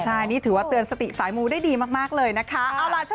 ใช่นี่ถือว่าเตือนสติสายมูได้ดีมากเลยนะคะ